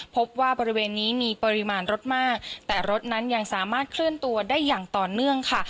พบว่าบริเวณนี้มีปริมาณรถมากแต่รถนั้นยังสามารถเคลื่อนตัวได้อย่างต่อเนื่องค่ะ